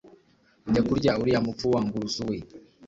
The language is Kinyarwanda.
jya kurya uriya mupfu wa ngurusu we.